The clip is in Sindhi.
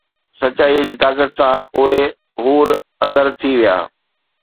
سچائيءَ جي طاقت سان، اهي حُور ’اگر‘ ٿي ويا